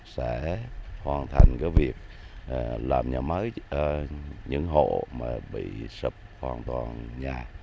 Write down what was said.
sẽ hoàn thành việc làm nhà mới những hộ mà bị sập hoàn toàn nhà